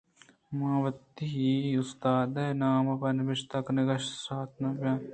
من ءَ وتی اُستاد ئِے نام پہ نبشتہ کنگ ءَ شات نہ بیت